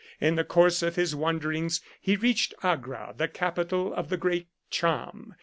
In the course of his wanderings he reached Agra, the capital of the Great Cham.